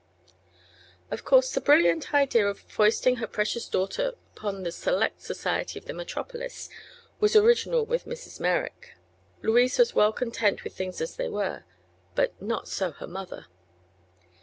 Of course the brilliant idea of foisting her precious daughter upon the "select" society of the metropolis was original with Mrs. Merrick. Louise was well content with things as they were; but not so the mother.